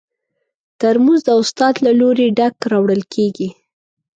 ترموز د استاد له لوري ډک راوړل کېږي.